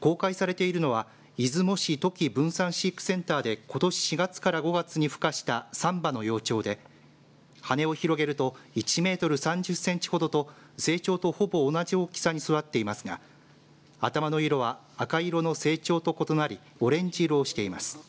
公開されているのは出雲市トキ分散飼育センターでことし４月から５月にふ化した３羽の幼鳥で羽を広げると１メートル３０センチほどと成長とほぼ同じ大きさに育っていますが頭の色は赤色の成鳥と異なりオレンジ色をしています。